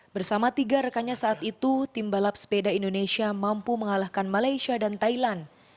bersama tiga rekannya saat itu tim balap sepeda indonesia mampu mengalahkan malaysia dan thailand